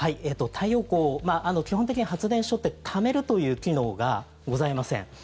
太陽光基本的に発電所ってためるという機能がございません。